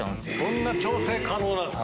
そんな調整可能なんですか